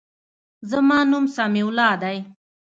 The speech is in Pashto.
زما نوم سمیع الله دی.